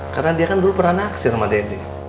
karena dia kan dulu pernah naksir sama dede